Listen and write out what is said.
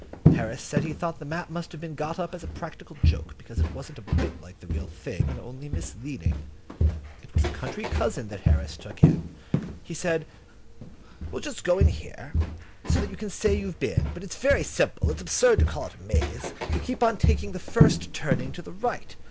Harris said he thought that map must have been got up as a practical joke, because it wasn't a bit like the real thing, and only misleading. It was a country cousin that Harris took in. He said: "We'll just go in here, so that you can say you've been, but it's very simple. It's absurd to call it a maze. You keep on taking the first turning to the right.